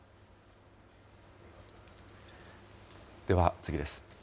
では次です。